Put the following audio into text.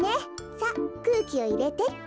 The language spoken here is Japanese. さっくうきをいれてっと。